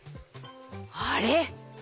あれ？